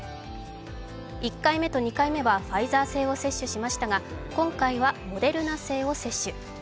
１回目と２回目はファイザー製を接種しましたが今回はモデルナ製を接種。